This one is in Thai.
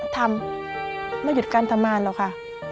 ทำไม่หยุดการทำมารแล้วค่ะ